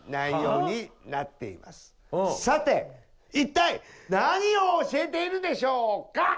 さて一体何を教えているでしょうか？